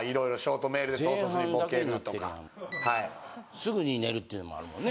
すぐに寝るっていうのもあるもんね。